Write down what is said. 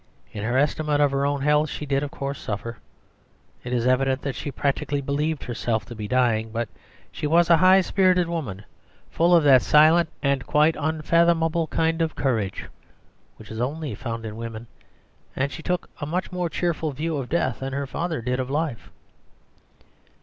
In her estimate of her own health she did, of course, suffer. It is evident that she practically believed herself to be dying. But she was a high spirited woman, full of that silent and quite unfathomable kind of courage which is only found in women, and she took a much more cheerful view of death than her father did of life.